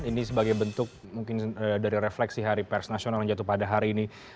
ini sebagai bentuk mungkin dari refleksi hari pers nasional yang jatuh pada hari ini